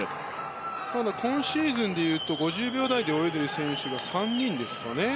今シーズンでいうと５０秒台で泳いでいる選手が３人ですかね。